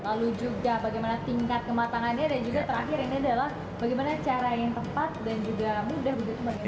lalu juga bagaimana tingkat kematangannya